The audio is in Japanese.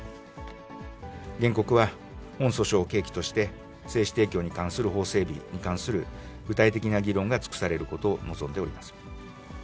原告は、本訴訟を契機として、精子提供に関する法整備に関する具体的な議論が尽くされることを望んでおります。